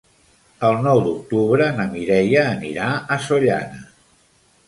El nou d'octubre na Mireia anirà a Sollana.